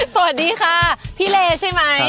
สวัสดีค่ะพี่เลใช่ไหม